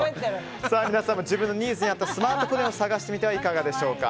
皆さんも自分のニーズに合ったスマート個電を探してみてはいかがでしょうか。